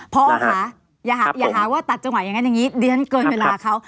พอค่ะอย่าหาว่าตัดจังหวะอย่างนั้นอย่างนี้ดิฉันเกินเวลาเขา